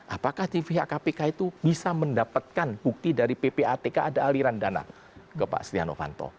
apakah di pihak kpk itu bisa mendapatkan bukti dari ppatk ada aliran dana ke pak setia novanto